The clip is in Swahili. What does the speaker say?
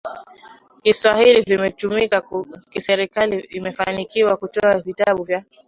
Kiswahili vitakavyotumika kiserikali Imefanikiwa kutoa vitabu vya